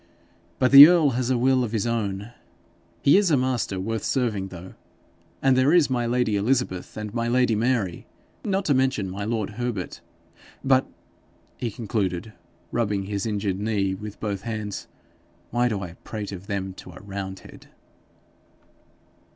But the earl has a will of his own. He is a master worth serving though. And there is my lady Elizabeth and my lady Mary not to mention my lord Herbert! But,' he concluded, rubbing his injured knee with both hands, 'why do I prate of them to a roundhead?'